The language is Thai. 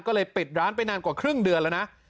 ก็เลยปิดร้านไปนานกว่าครึ่งเดือนแล้วนะ